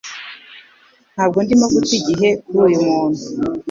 Ntabwo ndimo guta igihe kuri uyu muntu?